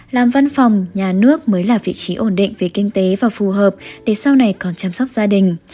làm văn phòng nhà nước mới là vị trí ổn định về kinh tế và phù hợp để sau này còn chăm sóc gia đình